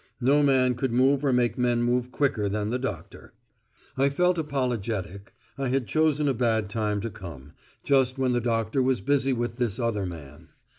No man could move or make men move quicker than the doctor. I felt apologetic: I had chosen a bad time to come, just when the doctor was busy with this other man.